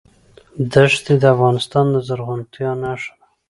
دښتې د افغانستان د زرغونتیا نښه ده.